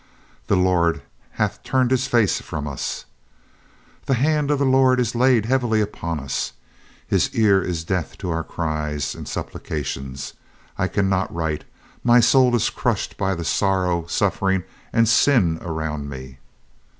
"The Lord hath turned His face from us. "The hand of the Lord is laid heavily upon us. His ear is deaf to our cries and supplications. I cannot write, my soul is crushed by the sorrow, suffering, and sin around me....